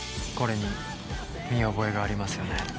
これに見覚えがありますね？